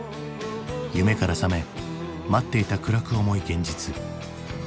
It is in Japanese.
夢から覚め待っていた暗く重い現実。